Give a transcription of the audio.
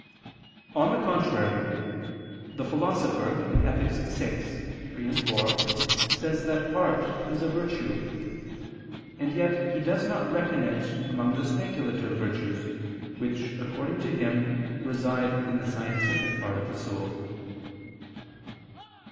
On the contrary, The Philosopher (Ethic. vi, 3, 4) says that art is a virtue; and yet he does not reckon it among the speculative virtues, which, according to him, reside in the scientific part of the soul.